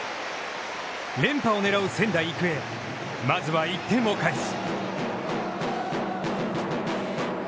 連覇を狙う仙台育英、まずは１点を返す。